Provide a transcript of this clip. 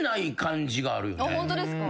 ホントですか？